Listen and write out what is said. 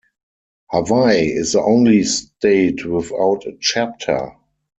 Hawaii is the only state without a chapter.